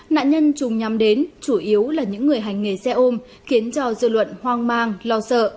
nạn nhân trùng nhắm đến chủ yếu là những người hành nghề xe ôm khiến cho dư luận hoang mang lo sợ